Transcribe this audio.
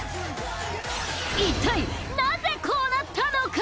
一体なぜこうなったのか？